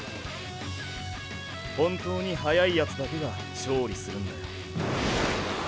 本当に速いヤツだけが勝利するんだよ！